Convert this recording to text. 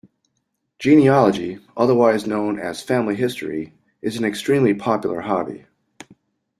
Genealogy, otherwise known as family history, is an extremely popular hobby